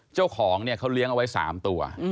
เจ้าของเนี่ยเขาเลี้ยงเอาไว้๓ตัว